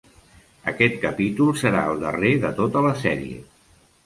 Aquest capítol serà el darrer de tota la sèrie.